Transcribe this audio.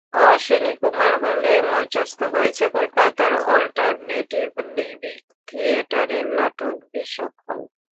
অশ্বিনী কুমার হলে মঞ্চস্থ হয়েছে কলকাতার অল্টারনেটিভ লিভিং থিয়েটারের নাটক বিষাদকাল।